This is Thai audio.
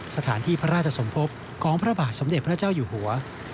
สถานที่พระราชสมภพของพระบาทสมเด็จพระเจ้าอยู่หัว